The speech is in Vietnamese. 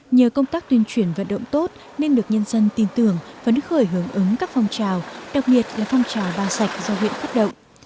nhờ công tác tuyên truyền vận động tốt nên được nhân dân tin tưởng phấn khởi hướng ứng các phong trào đặc biệt là phong trào ba sạch do huyện phát động